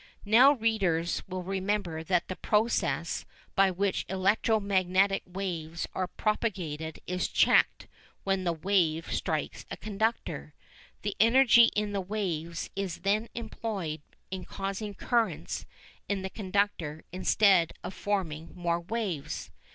Now readers will remember that the process by which electro magnetic waves are propagated is checked when the waves strike a conductor. The energy in the waves is then employed in causing currents in the conductor instead of forming more waves.